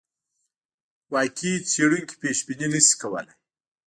واقعي څېړونکی پیشبیني نه شي کولای.